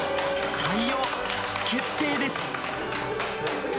採用決定です。